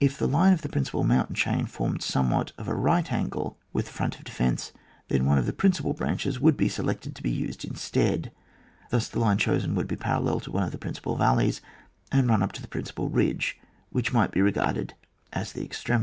If the line of the prin cipal mountain chain formed somewhat of a right angle with the front of defence, then one of the principal branches would be selected to be used instead ; thus the line chosen would be parallel to one of the principal valleys, and run up to the principal ridge, which might be regarded as the extremi^.